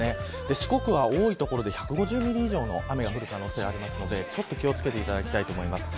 四国は多い所で１５０ミリ以上の雨が降る可能性がありますので気を付けてほしいと思います。